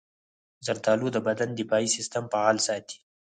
زردالو د بدن دفاعي سستم فعال ساتي.